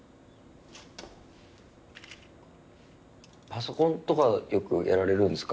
パソコンとかよくやられるんですか？